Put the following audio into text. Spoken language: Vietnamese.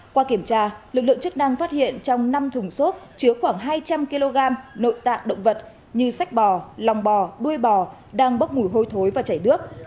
qua kiểm tra lực lượng chức năng phát hiện trong năm thùng xốp chứa khoảng hai trăm linh kg nội tạng động vật như sách bò lòng bò đuôi bò đang bốc mùi hôi thối và chảy nước